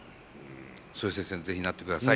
そういう先生に是非なってください。